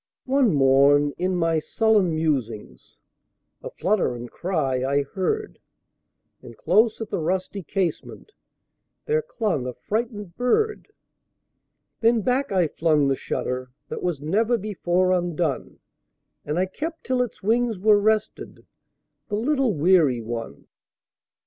One morn, in my sullen musings,A flutter and cry I heard; And close at the rusty casementThere clung a frightened bird. Then back I flung the shutterThat was never before undone, And I kept till its wings were restedThe little weary one.